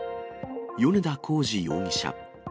米田洪二容疑者。